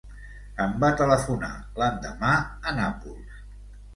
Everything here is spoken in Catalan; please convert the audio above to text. Em va telefonar l'endemà, a Nàpols.